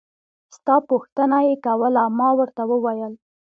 ستا پوښتنه يې کوله ما ورته وويل.